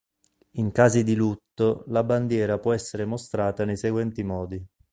In casi di lutto la bandiera può essere mostrata nei seguenti modi.